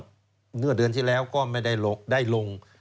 เมื่อเดือนที่แล้วก็ไม่ได้ลง